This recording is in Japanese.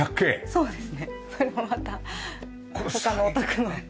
そうです。